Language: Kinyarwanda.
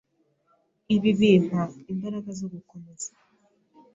Ibi bimpa imbaraga zo gukomeza.